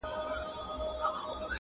زما دي وینه تر هغه زلمي قربان سي؛